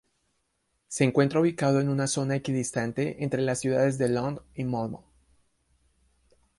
Se encuentra ubicado en una zona equidistante entre las ciudades de Lund y Malmö.